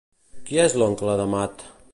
Qui és l'oncle de Math?